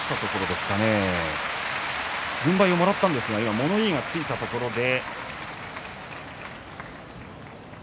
軍配はもらったんですが物言いがついたところで。